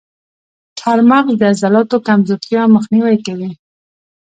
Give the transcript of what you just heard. چارمغز د عضلاتو کمزورتیا مخنیوی کوي.